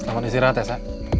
selamat istirahat ya sa